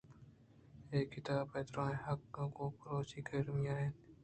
اے کتاب ءِ درائیں حقّ گوں بلوچی اکیڈمی ءَ انت